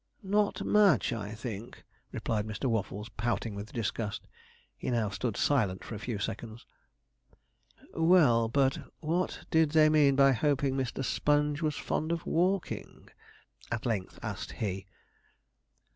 'Not much, I think,' replied Mr. Waffles, pouting with disgust. He now stood silent for a few seconds. 'Well, but what did they mean by hoping Mr. Sponge was fond of walking?' at length asked he.